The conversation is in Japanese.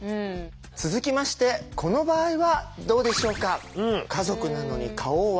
続きましてこの場合はどうでしょうか。